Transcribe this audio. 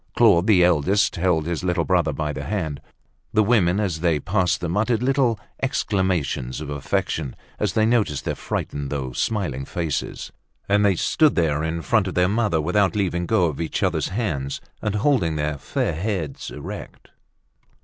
Claude, the eldest, held his little brother by the hand. The women, as they passed them, uttered little exclamations of affection as they noticed their frightened though smiling faces. And they stood there, in front of their mother, without leaving go of each other's hands, and holding their fair heads erect.